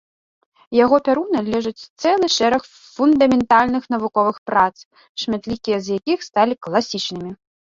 Яго пяру належыць цэлы шэраг фундаментальных навуковых прац, шматлікія з якіх сталі класічнымі.